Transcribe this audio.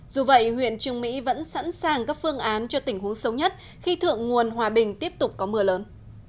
dù vậy huyện trương mỹ vẫn sẵn sàng các phương án cho tình huống xấu nhất khi thượng nguồn hòa bình tiếp tục có mưa lớn